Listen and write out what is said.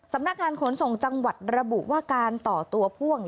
สำนักงานขนส่งจังหวัดระบุว่าการต่อตัวพ่วง